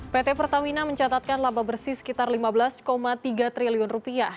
pt pertamina mencatatkan laba bersih sekitar lima belas tiga triliun rupiah